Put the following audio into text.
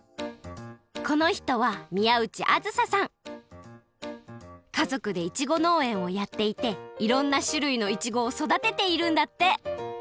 このひとはかぞくでイチゴのうえんをやっていていろんなしゅるいのイチゴをそだてているんだって！